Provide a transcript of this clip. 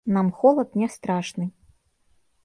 Нам холад не страшны.